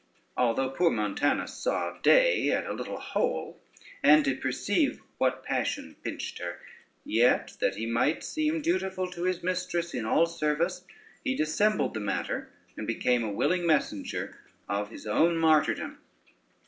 Although poor Montanus saw day at a little hole, and did perceive what passion pinched her, yet, that he might seem dutiful to his mistress in all service, he dissembled the matter, and became a willing messenger of his own martyrdom.